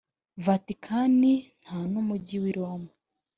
vatikani nta numujyi w’iroma.